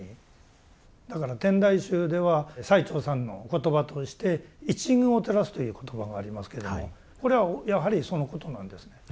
だから天台宗では最澄さんのお言葉として「一隅を照らす」という言葉がありますけれどもこれはやはりそのことなんですね。